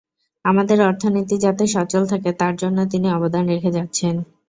আমাদের অর্থনীতি যাতে সচল থাকে, তার জন্য তিনি অবদান রেখে যাচ্ছেন।